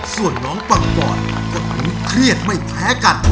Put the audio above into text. ส่วนน้องปังปอนคนนี้เครียดไม่แพ้กัน